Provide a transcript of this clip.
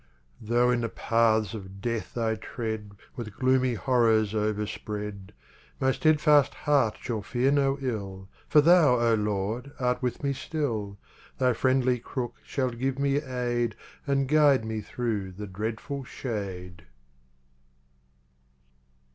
Though in the paths of death I tread, With gloomy horrors overspread, My steadfast heart shall fear no ill, For Thou, O Lord, art with me still; Thy friendly crook shall give me aid And guide me through the dreadful shade.